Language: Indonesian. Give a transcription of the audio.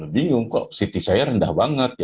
bingung kok city saya rendah banget